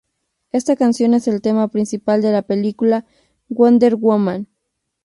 Esta canción es el tema principal de la película "Wonder Woman".